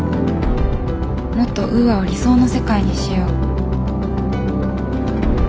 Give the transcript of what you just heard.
もっとウーアを理想の世界にしよう。